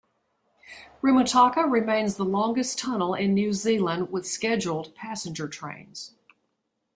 Rimutaka remains the longest tunnel in New Zealand with scheduled passenger trains.